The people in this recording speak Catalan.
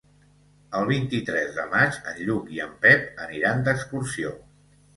El vint-i-tres de maig en Lluc i en Pep aniran d'excursió.